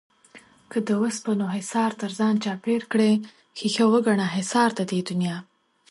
که د اوسپنو حِصار تر ځان چاپېر کړې ښيښه وگڼه حِصار د دې دنيا